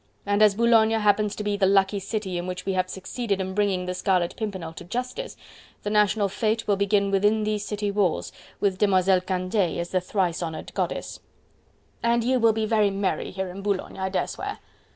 and as Boulogne happens to be the lucky city in which we have succeeded in bringing the Scarlet Pimpernel to justice, the national fete will begin within these city walls, with Demoiselle Candeille as the thrice honoured goddess." "And you will be very merry here in Boulogne, I dare swear..."